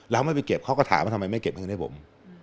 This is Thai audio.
แล้วไม่ไปเก็บเขาก็ถามว่าทำไมไม่เก็บเงินให้ผม